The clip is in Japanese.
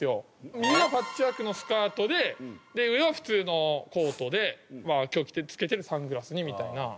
右はパッチワークのスカートで上は普通のコートで今日着けてるサングラスにみたいな。